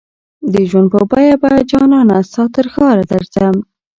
د ژوند په بیه به جانانه ستا ترښاره درځم